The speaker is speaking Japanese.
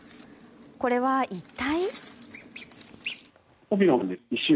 これは、一体？